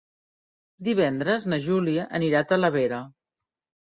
Divendres na Júlia anirà a Talavera.